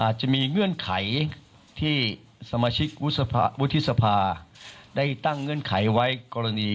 จะมีเงื่อนไขที่สมาชิกวุฒิสภาได้ตั้งเงื่อนไขไว้กรณี